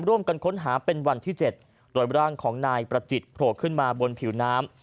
ร่วมกันค้นหาเป็นวันที่๗โดยร่างของนายประจิตโผล่ขึ้นมาบนผิวน้ำ